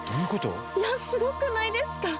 いやすごくないですか？